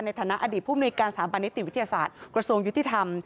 ในฐานะอดีตผู้มนุยการสถาบันนิติวิทยาศาสตร์กระทรวงยุติธรรม